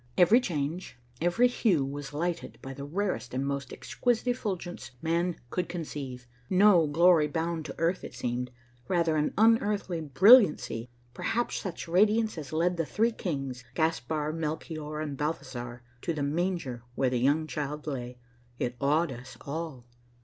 Every change, every hue was lighted by the rarest and most exquisite effulgence man could conceive. No glory bound to earth it seemed, rather an unearthly brilliancy, perhaps such radiance as led the three kings, Gaspar, Melchior and Balthazar, to the manger where the young child lay. It awed us all.